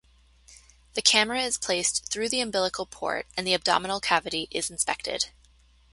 The camera is placed through the umbilical port and the abdominal cavity is inspected.